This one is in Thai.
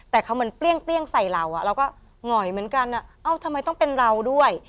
แต่เขาเหมือนเปรี้ยงใส่เราเราก็หง่อยเหมือนกันเอ้าทำไมต้องเป็นเราด้วย